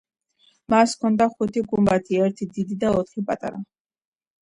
მას ჰქონდა ხუთი გუმბათი: ერთი დიდი და ოთხი პატარა.